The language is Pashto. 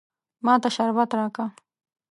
ما ته شربت راکه.